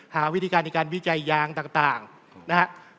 หาวิธีการในการวิจัยยางต่างนะครับ